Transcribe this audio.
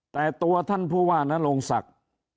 แต่ตัวท่านผู้ว่านโรงศักดิ์